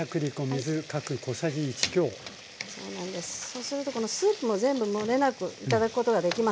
そうするとこのスープも全部もれなく頂くことができますので。